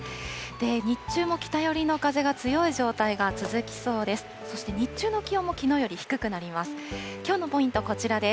日中も北寄りの風が強い状態が続きそうです。